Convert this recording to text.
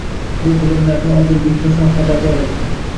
Bu bilimlardan Odilbekni ham xabardor etdi.